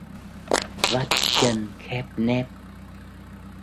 Vắt chân khép nép